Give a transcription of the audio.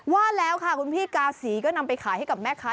ว่าแล้วค่ะคุณพี่กาศีก็นำไปขายให้กับแม่ค้า